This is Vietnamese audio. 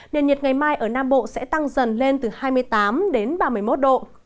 nền nhiệt ngày mai ở nam bộ sẽ tăng dần lên từ hai mươi tám đến ba mươi một độ